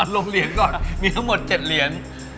ลงเหรียญก่อนมีทั้งหมด๗เหรียญ